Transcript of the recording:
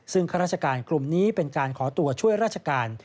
ซึ่งข้าราชการกลุ่มนี้เป็นการขอตัวช่วยราชการ